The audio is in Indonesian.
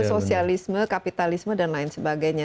sosialisme kapitalisme dan lain sebagainya